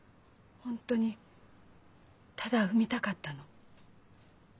本当にただ産みたかったの。